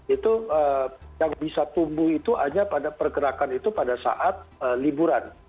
itu yang bisa tumbuh itu hanya pada pergerakan itu pada saat liburan